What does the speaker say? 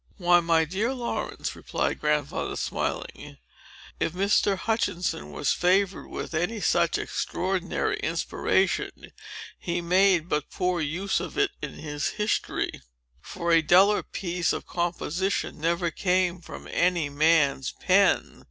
"Why, my dear Laurence," replied Grandfather, smiling, "if Mr. Hutchinson was favored with any such extraordinary inspiration, he made but a poor use of it in his History; for a duller piece of composition never came from any man's pen.